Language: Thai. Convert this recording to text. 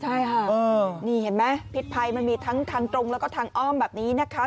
ใช่ค่ะนี่เห็นไหมพิษภัยมันมีทั้งทางตรงแล้วก็ทางอ้อมแบบนี้นะคะ